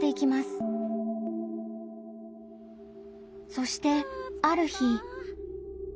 そしてある日。